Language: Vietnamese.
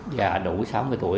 và đủ sáu mươi tuổi